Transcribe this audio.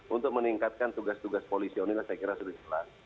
untuk meningkatkan tugas tugas polisi onina saya kira sudah selesai